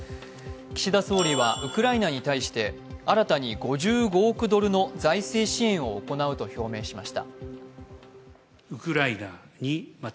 岸田総理はウクライナに対して新たに５５億ドルの財政支援を行うと表明しました。